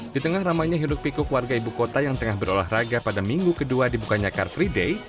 di tengah ramainya hidup pikuk warga ibu kota yang tengah berolahraga pada minggu kedua dibukanya car free day